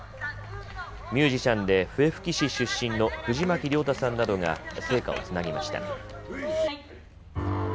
ミュージシャンで笛吹市出身の藤巻亮太さんなどが聖火をつなぎました。